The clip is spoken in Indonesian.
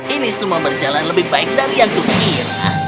ini semua berjalan lebih baik dari yang terakhir